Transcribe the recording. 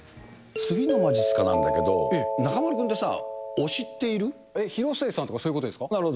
次のまじっすかなんだけど、中丸君ってさ、広末さんとかそういうことでなるほど。